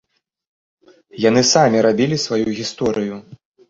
Яны самі рабілі сваю гісторыю.